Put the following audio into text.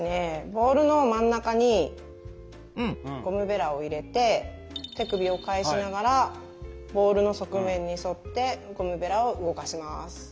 ボウルの真ん中にゴムベラを入れて手首を返しながらボウルの側面に沿ってゴムベラを動かします。